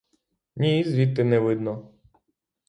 Ні, і звідти не видно!